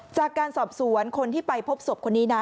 จากการสอบสวนคนที่ไปพบศพคนนี้นะ